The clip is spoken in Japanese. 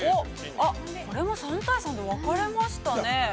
これも３対３で分かれましたね。